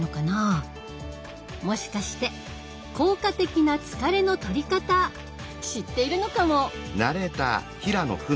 もしかして効果的な疲れの取り方知っているのかも。